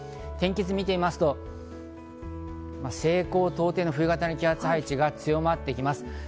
天気図を見てみますと、西高東低の冬型の気圧配置が強まってきます。